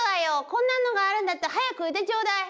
こんなのがあるんだったら早く言ってちょうだい！